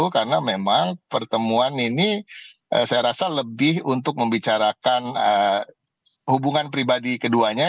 karena memang pertemuan ini saya rasa lebih untuk membicarakan hubungan pribadi keduanya